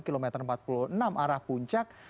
kilometer empat puluh enam arah puncak